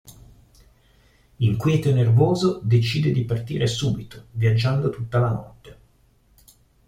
Inquieto e nervoso, decide di partire subito, viaggiando tutta la notte.